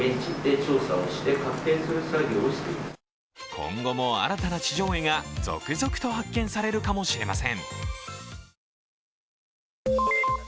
今後も新たな地上絵が続々と発見されるかもしれません。